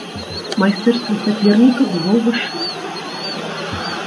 Майстэрства саперніка было вышэй.